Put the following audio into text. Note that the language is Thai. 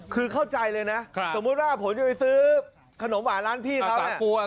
คือเข้าใจเลยนะสมมุติว่าผมจะไปซื้อขนมหวานร้านพี่เขาสากลวย